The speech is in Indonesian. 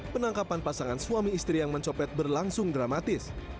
penangkapan pasangan suami istri yang mencopet berlangsung dramatis